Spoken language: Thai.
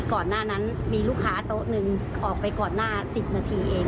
ก่อนหน้านั้นมีลูกค้าโต๊ะหนึ่งออกไปก่อนหน้า๑๐นาทีเอง